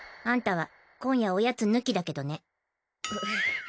アンタは今夜おやつ抜きだけどね。